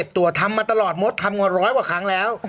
ยอม๗ตัวทำมาตลอดมดทำกว่า๑๐๐ครั้งแล้ว